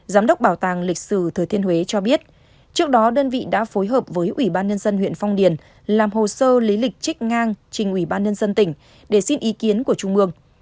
giám đốc bảo tàng lịch sử thừa thiên huế cho biết trước đó đơn vị đã phối hợp với ubnd huyện phong điền làm hồ sơ lý lịch trích ngang trên ubnd tỉnh để xin ý kiến của trung mương